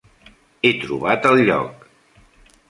He trobat el lloc.